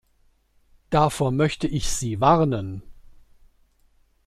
Davor möchte ich Sie warnen.